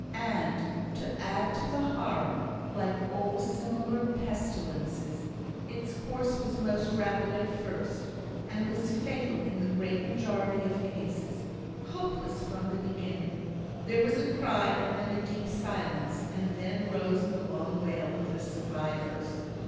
And to add to the horror, like all similar pestilences, its course was most rapid at first, and was fatal in the great majority of cases hopeless from the beginning. There was a cry, and then a deep silence, and then rose the long wail of the survivors.